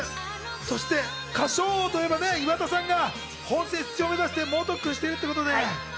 そして『歌唱王』といえば岩田さんが本戦出場を目指して猛特訓しているということで。